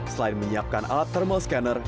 selain menyiapkan alat thermal scanner